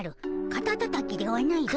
カタタタキではないぞ。